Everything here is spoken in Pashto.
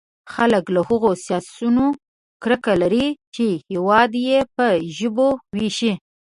خلک له هغو سیاستونو کرکه لري چې هېواد يې په ژبو وېشي.